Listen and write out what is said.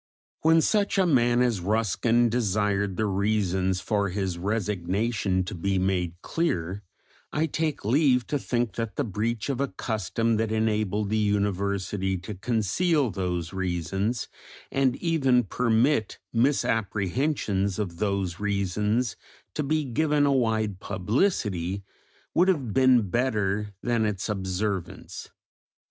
When such a man as Ruskin desired the reasons for his resignation to be made clear, I take leave to think that the breach of a custom that enabled the University to conceal those reasons and even permit misapprehensions of those reasons to be given a wide publicity, would have been better than its observance.